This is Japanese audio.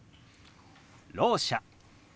「ろう者」。